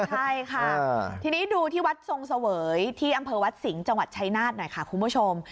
ใช่ค่ะทีนี้ดูที่วัดทรงเสวยที่อำเภอวัดสิงห์จังหวัดชายนาฏหน่อยค่ะคุณผู้ชม